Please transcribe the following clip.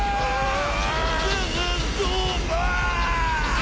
あ！